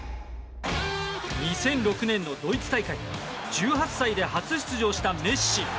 ２００６年のドイツ大会１８歳で初出場したメッシ。